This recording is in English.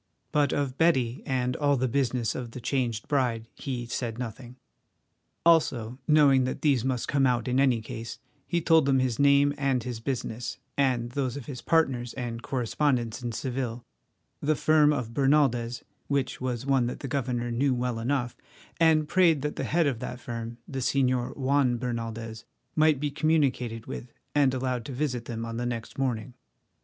But of Betty and all the business of the changed bride he said nothing. Also, knowing that these must come out in any case, he told them his name and business, and those of his partners and correspondents in Seville, the firm of Bernaldez, which was one that the governor knew well enough, and prayed that the head of that firm, the Señor Juan Bernaldez, might be communicated with and allowed to visit them on the next morning.